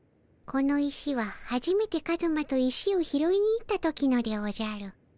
この石ははじめてカズマと石を拾いに行った時のでおじゃる。